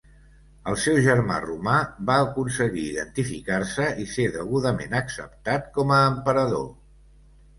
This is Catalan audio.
El seu germà Romà va aconseguir identificar-se i ser degudament acceptat com a emperador.